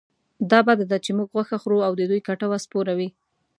دا بده ده چې موږ غوښه خورو او د دوی کټوه سپوره وي.